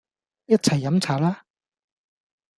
一齊飲茶啦